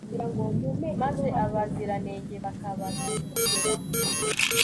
maze abaziranenge bakabasekera